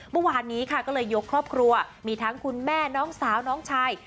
เมื่อวานนี้ค่ะก็เลยยกครอบครัวมีทั้งคุณแม่น้องสาวน้องชาย